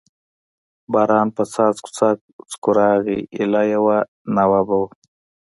باران په څاڅکو څاڅکو راغی، ایله یوه ناوه به و.